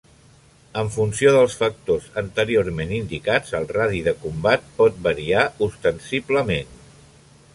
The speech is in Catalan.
En funció dels factors anteriorment indicats el radi de combat pot variar ostensiblement.